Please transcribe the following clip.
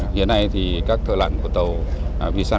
hiện nay các thợ lặn của tàu v ba trăm linh tám đang